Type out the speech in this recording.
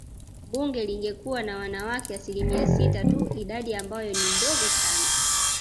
Bunge lingekuwa na wanawake asilimia sita tu idadi ambayo ni ndogo sana